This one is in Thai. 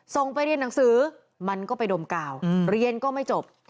ส่งไปเรียนหนังสือมันก็ไปดมกาวเรียนก็ไม่จบ